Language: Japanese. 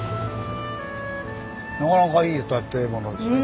なかなかいい建物ですね